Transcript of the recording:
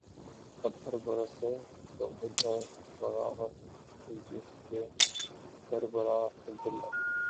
پتھر برسیں تو ادھر بغاوت اٹھی جس کے سربراہ عبداللہ